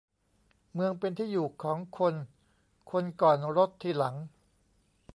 เมืองเป็นที่อยู่ของคนคนก่อน รถทีหลัง